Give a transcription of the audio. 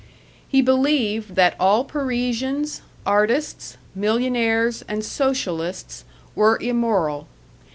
He believed that all Parisians, artists, millionaires, and socialists were immoral.